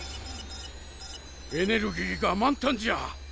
エネルギーが満タンじゃ。